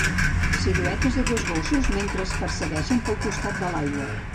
Siluetes de dos gossos mentre es persegueixen pel costat de l'aigua.